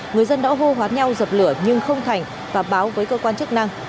người dân đã hô hoán nhau dập lửa nhưng không thành và báo với cơ quan chức năng